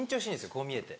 こう見えて。